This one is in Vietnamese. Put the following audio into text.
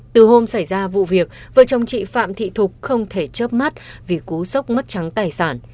từ hôm xảy ra vụ việc vợ chồng chị phạm thị thục không thể chấp mắt vì cú sốc mất trắng tài sản